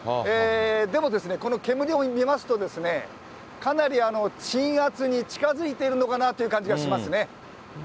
でもですね、この煙を見ますとですね、かなり鎮圧に近づいてるのかなという感じがしますね。